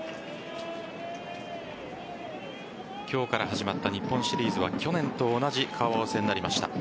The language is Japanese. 今日から始まった日本シリーズは去年と同じ顔合わせになりました。